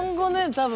多分。